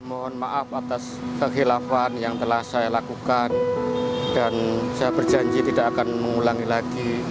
mohon maaf atas kehilafan yang telah saya lakukan dan saya berjanji tidak akan mengulangi lagi